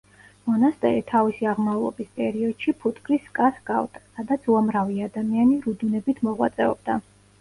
მონასტერი თავისი აღმავლობის პერიოდში ფუტკრის სკას ჰგავდა, სადაც უამრავი ადამიანი რუდუნებით მოღვაწეობდა.